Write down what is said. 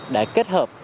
đã kết hợp